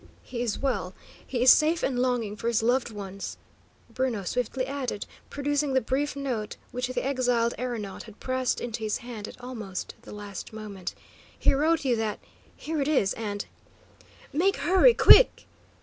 "He is well; he is safe and longing for his loved ones," Bruno swiftly added, producing the brief note which the exiled aeronaut had pressed into his hand at almost the last moment. "He wrote you that here it is, and " "Make hurry, quick!"